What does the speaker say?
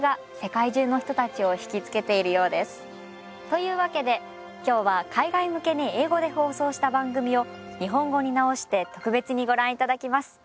というわけで今日は海外向けに英語で放送した番組を日本語に直して特別にご覧いただきます。